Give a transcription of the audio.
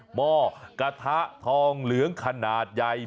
หม้อกระทะทองเหลืองขนาดใหญ่